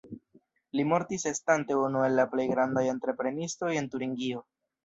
Li mortis estante unu el la plej grandaj entreprenistoj en Turingio.